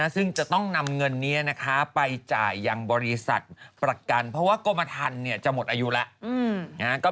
ซึ่งจะต้องนำเงินนี้ไปจ่ายยังบริษัทประกันเพราะว่ากรมทันจะหมดอายุแล้ว